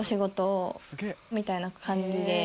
みたいな感じで。